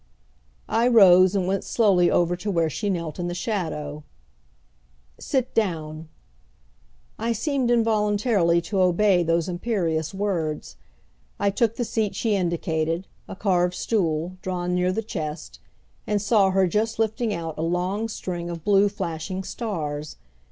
I rose and went slowly over to where she knelt in the shadow. "Sit down." I seemed involuntarily to obey those imperious words. I took the seat she indicated, a carved stool, drawn near the chest, and saw her just lifting out a long string of blue flashing stars.